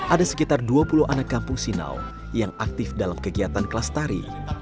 ada sekitar dua puluh anak kampung sinaw yang aktif dalam kegiatan kelas tari